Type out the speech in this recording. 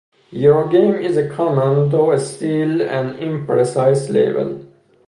Eurogame is a common, though still an imprecise, label.